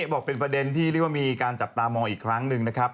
บอกเป็นประเด็นที่เรียกว่ามีการจับตามองอีกครั้งหนึ่งนะครับ